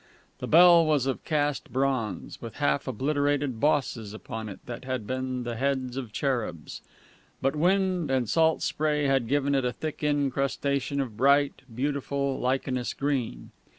The bell was of cast bronze, with half obliterated bosses upon it that had been the heads of cherubs; but wind and salt spray had given it a thick incrustation of bright, beautiful, lichenous green.